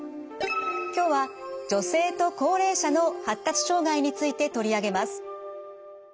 今日は女性と高齢者の発達障害について取り上げます。